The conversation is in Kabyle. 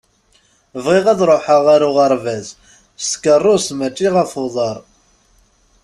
Bɣiɣ ad ṛuḥeɣ ar uɣerbaz s tkeṛṛust, mačči ɣef uḍaṛ.